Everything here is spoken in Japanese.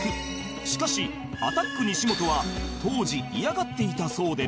しかしアタック西本は当時嫌がっていたそうで